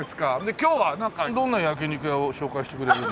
今日はどんな焼き肉屋を紹介してくれるの？